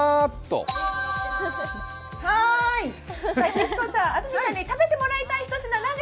希糸子さん、安住さんに食べていただきたい一品は？